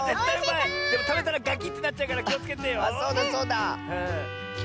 でもたべたらガキッてなっちゃうからきをつけてよ。